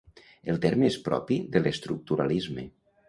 El terme és propi de l'estructuralisme.